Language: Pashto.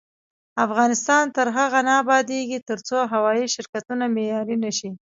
افغانستان تر هغو نه ابادیږي، ترڅو هوايي شرکتونه معیاري نشي.